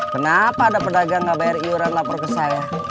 kenapa ada pedagang nggak bayar iuran lapor ke saya